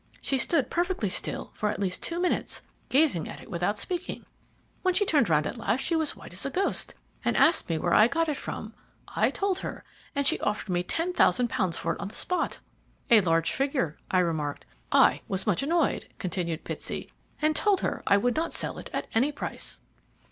She stood perfectly still for at least two minutes, gazing at it without speaking. When she turned round at last she was as white as a ghost, and asked me where I got it from. I told her, and she offered me £10,000 for it on the spot." "A large figure," I remarked. "I was much annoyed," continued Pitsey, "and told her I would not sell it at any price."